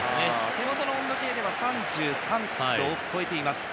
手元の温度計では３３度を超えています。